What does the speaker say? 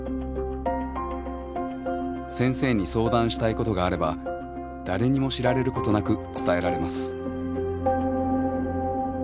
先生に相談したいことがあれば誰にも知られることなく伝えられます。